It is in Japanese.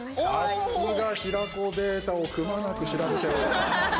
さすが平子データをくまなく調べて。